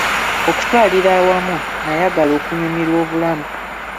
Okutwalira awamu nayagala okunyumirwa obulamu.